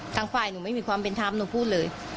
ทางฝ่ายหนูไม่มีความเป็นธรรมหนูพูดเลย